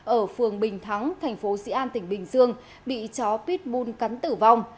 ở phường bình thắng tp dian tỉnh bình dương bị chó pitbull cắn tử vong